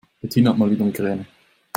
Bettina hat mal wieder Migräne.